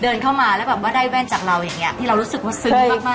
เดินเข้ามาแล้วแบบว่าได้แว่นจากเราอย่างเงี้ที่เรารู้สึกว่าซึ้งมากมาก